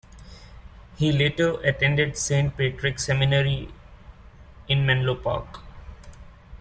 He later attended Saint Patrick Seminary in Menlo Park.